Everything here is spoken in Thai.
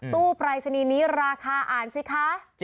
ปรายศนีย์นี้ราคาอ่านสิคะ